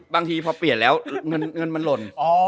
บางทีพอเปลี่ยนแล้วเงินมันหล่น